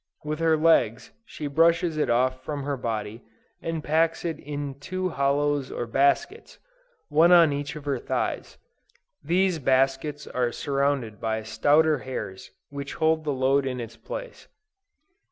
With her legs, she brushes it off from her body, and packs it in two hollows or baskets, one on each of her thighs: these baskets are surrounded by stouter hairs which hold the load in its place.